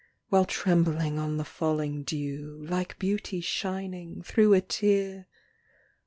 While trembling on the falling dew, Like beauty shining through a tear.